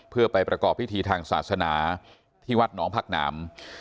เพื่อไปประกอบพิธีทางศาสนาที่วัดหนองผักหนาม